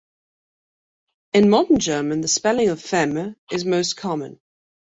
In Modern German, the spelling of "Feme" is most common.